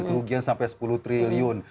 kerugian sampai sepuluh triliun